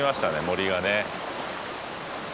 森がね。